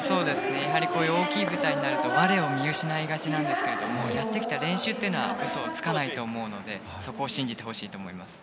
やはり大きい舞台になると我を見失いがちですがやってきた練習というのは嘘をつかないと思うのでそこを信じてほしいと思います。